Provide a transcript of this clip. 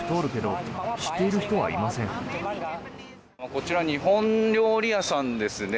こちら日本料理屋さんですね。